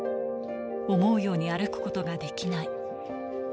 思うように歩くことができない。